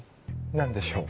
何でしょう？